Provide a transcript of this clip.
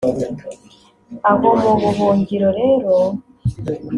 Aho mu buhungiro rero